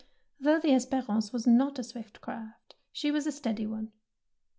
'^ Though the "Esperance^^ was not a swift craft, she was a steady one.